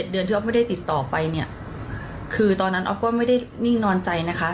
เดือนที่ออฟไม่ได้ติดต่อไปเนี่ยคือตอนนั้นออฟก็ไม่ได้นิ่งนอนใจนะคะ